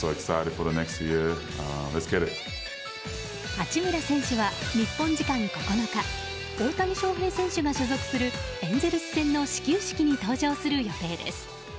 八村選手は日本時間９日大谷翔平選手が所属するエンゼルス戦の始球式に登場する予定です。